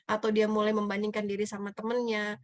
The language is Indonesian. atau dia mulai membandingkan diri sama temennya